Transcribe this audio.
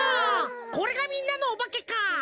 これがみんなのおばけか！